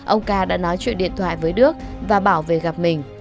ông ca đã nói chuyện điện thoại với đức và bảo về gặp mình